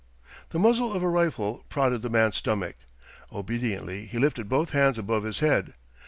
The muzzle of a rifle prodded the man's stomach. Obediently he lifted both hands above his head.